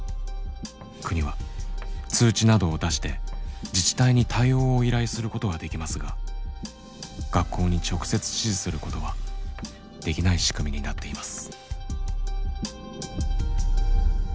国は通知などを出して自治体に対応を依頼することはできますが学校に直接指示することはできない仕組みになっています。